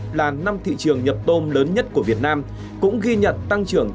góp tích cực là năm thị trường nhập tôm lớn nhất của việt nam cũng ghi nhận tăng trưởng